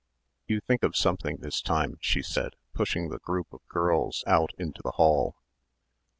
"You think of something this time," she said, pushing the group of girls out into the hall.